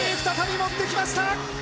１０８０、再び乗ってきました。